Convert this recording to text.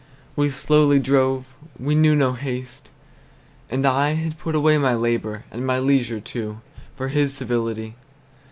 We slowly drove, he knew no haste, And I had put away My labor, and my leisure too, For his civility.